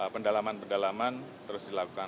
pendalaman pendalaman terus dilakukan